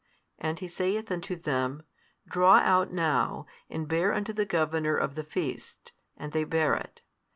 And He saith unto them, Draw out now, and bear unto the governor of the feast. And they bare it.